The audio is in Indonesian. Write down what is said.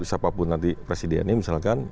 siapapun nanti presidennya misalkan